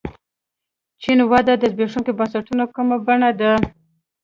چین وده د زبېښونکو بنسټونو کومه بڼه ده.